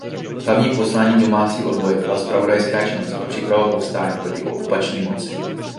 Hlavním posláním domácího odboje byla zpravodajská činnost a příprava povstání proti okupační moci.